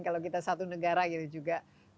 kalau kita satu negara gitu juga